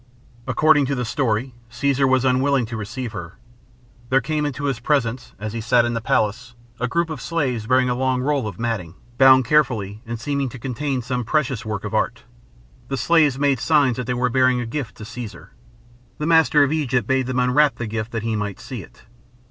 According to the story, Caesar was unwilling to receive her. There came into his presence, as he sat in the palace, a group of slaves bearing a long roll of matting, bound carefully and seeming to contain some precious work of art. The slaves made signs that they were bearing a gift to Caesar. The master of Egypt bade them unwrap the gift that he might see it.